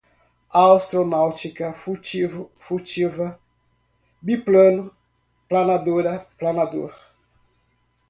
Astronáutica, furtivo, furtiva, biplano, planadora, planador